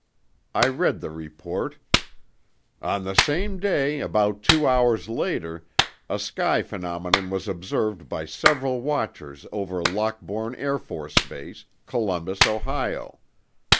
I read the report: "On the same day, about two hours later, a sky phenomenon was observed by several watchers over Lockbourne Air Force Base, Columbus, Ohio.